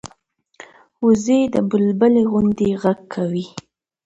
وزې د بلبلي غوندې غږ کوي